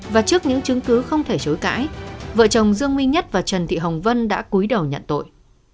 và trước những chứng cứ không thể chối cãi vợ chồng dương minh nhất và trần thị hồng vân đã cuối đầu nhận tội